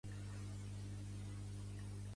Què va mantenir Aristòfanes?